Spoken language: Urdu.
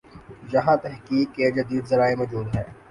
یہاںتحقیق کے جدید ذرائع موجود ہیں۔